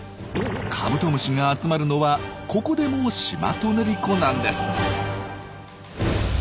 カブトムシが集まるのはここでもシマトネリコなんです。